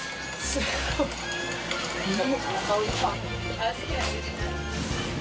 すごい